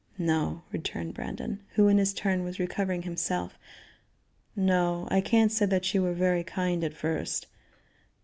"No," returned Brandon, who, in his turn, was recovering himself, "no, I can't say that you were very kind at first.